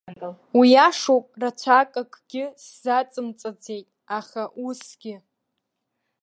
Уиашоуп, рацәак акгьы сзацымҵаӡеит, аха усгьы.